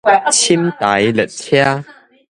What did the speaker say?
寢台列車